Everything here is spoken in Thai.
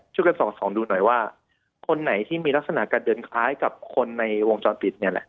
ช่วยกันส่องดูหน่อยว่าคนไหนที่มีลักษณะการเดินคล้ายกับคนในวงจรปิดเนี่ยแหละ